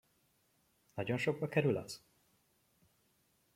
Nagyon sokba kerül az?